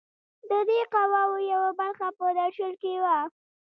د دې قواوو یوه برخه په درشل کې وه.